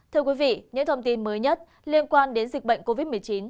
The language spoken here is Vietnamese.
thưa quý vị những thông tin mới nhất liên quan đến dịch bệnh covid một mươi chín